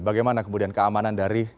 bagaimana kemudian keamanan dari